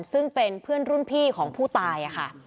ซึ่งเป็นเพื่อนรุ่นพี่ของผู้ตายค่ะ